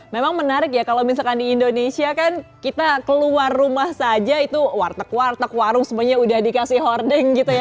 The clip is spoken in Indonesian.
memang menarik ya kalau misalkan di indonesia kan kita keluar rumah saja itu warteg warteg warung semuanya udah dikasih hoarding gitu ya